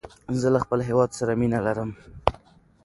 زه له خپل هيواد سره مینه لرم.